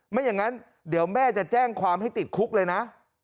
ไม่อย่างนั้นเดี๋ยวแม่จะแจ้งความให้ติดคุกเลยนะ